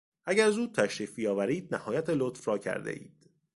اگر زود تشریف بیاورید نهایت لطف را کردهاید.